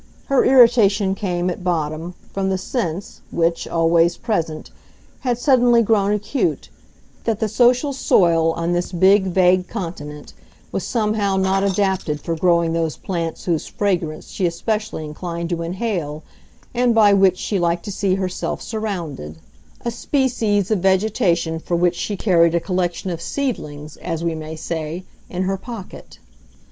Her irritation came, at bottom, from the sense, which, always present, had suddenly grown acute, that the social soil on this big, vague continent was somehow not adapted for growing those plants whose fragrance she especially inclined to inhale and by which she liked to see herself surrounded—a species of vegetation for which she carried a collection of seedlings, as we may say, in her pocket.